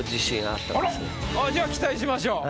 あらじゃあ期待しましょう。